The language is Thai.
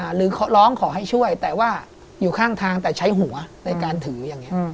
หรือร้องขอให้ช่วยแต่ว่าอยู่ข้างทางแต่ใช้หัวในการถืออย่างนี้